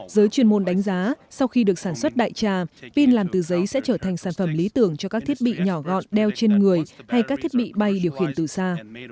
giới chuyên môn đánh giá sau khi được sản xuất đại trà pin làm từ giấy sẽ trở thành sản phẩm lý tưởng cho các thiết bị nhỏ gọn đeo trên người hay các thiết bị bay điều khiển từ xa